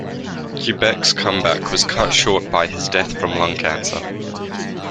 Quebec's comeback was cut short by his death from lung cancer.